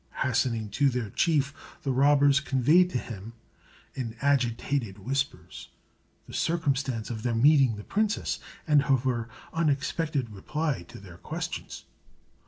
Hastening to their chief, the robbers conveyed to him, in agitated whispers, the circumstance of their meeting the princess, and of her unexpected reply to their questions.